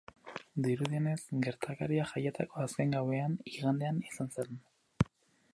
Dirudienez, gertakaria jaietako azken gauean, igandean, izan zen.